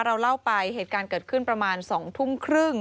เราเล่าไปเหตุการณ์เกิดขึ้นประมาณ๒ทุ่มครึ่ง